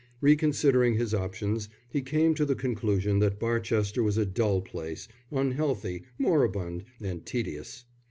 Reconsidering his opinions, he came to the conclusion that Barchester was a dull place, unhealthy, moribund, and tedious.